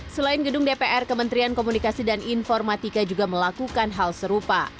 selain gedung dpr kementerian komunikasi dan informatika juga melakukan hal serupa